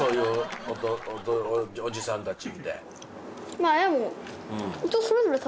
まあでも。